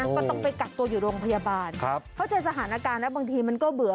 ก็ต้องไปกักตัวอยู่โรงพยาบาลเขาเจอสถานการณ์นะบางทีมันก็เบื่อ